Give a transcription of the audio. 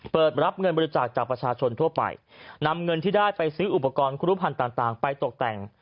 เปิดรับเงินบริจาคจากประชาชนทั่วไปนำเงินที่ได้ไปซื้ออุปกรณ์ครูรุภัณฑ์ต่างไปตกแต่ง